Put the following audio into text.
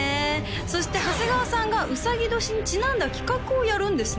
そして長谷川さんがうさぎ年にちなんだ企画をやるんですね